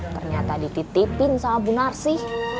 ternyata dititipin sama bu narsi